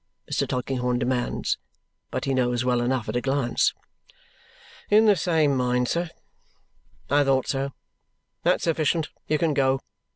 Mr. Tulkinghorn demands. But he knows well enough at a glance. "In the same mind, sir." "I thought so. That's sufficient. You can go.